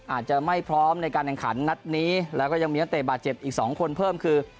อาจจะไม่พร้อมในการแข่งขันนัดนี้แล้วก็ยังมีนักเตะบาดเจ็บอีกสองคนเพิ่มคือ